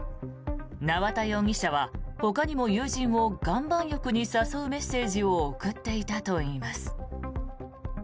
縄田容疑者は、ほかにも友人を岩盤浴に誘うメッセージを送っていたといいます。